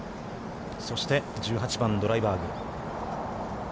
そして１８番、ドライバーグ。